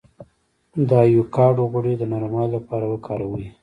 د ایوکاډو غوړي د نرموالي لپاره وکاروئ